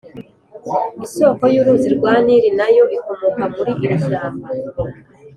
Isoko y’uruzi rwa Nili na yo ikomoka muri iri shyamba.